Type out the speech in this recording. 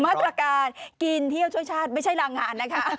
มาตรการกินเที่ยวช่วยชาติไม่ใช่รางงานนะคะ